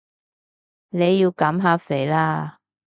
你要減下肥啦